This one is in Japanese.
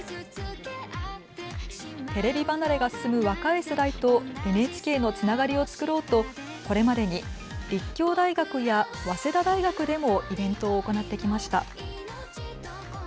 テレビ離れが進む若い世代とＮＨＫのつながりを作ろうとこれまでに立教大学や早稲田大学でもイベントを行ってきました。